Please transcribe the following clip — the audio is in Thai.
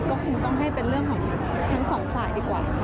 ก็คงต้องให้เป็นเรื่องของทั้งสองฝ่ายดีกว่าค่ะ